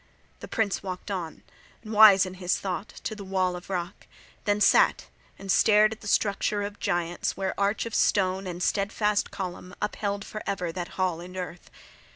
The prince walked on, wise in his thought, to the wall of rock; then sat, and stared at the structure of giants, where arch of stone and steadfast column upheld forever that hall in earth.